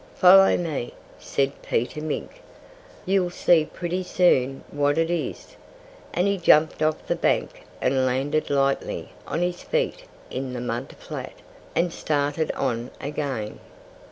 "Follow me!" said Peter Mink. "You'll see pretty soon what it is." And he jumped off the bank and landed lightly on his feet on the mud flat, and started on again.